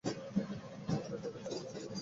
আমার পেট টা মোচড় দিছে রে।